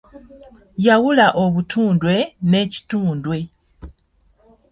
Yawula obutundwe n'ekitundwe?